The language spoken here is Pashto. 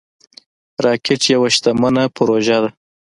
راکټ یوه شتمنه پروژه ده